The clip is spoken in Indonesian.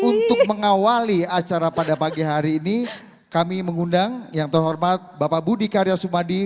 untuk mengawali acara pada pagi hari ini kami mengundang yang terhormat bapak budi karya sumadi